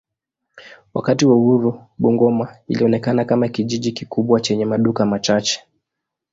Wakati wa uhuru Bungoma ilionekana kama kijiji kikubwa chenye maduka machache.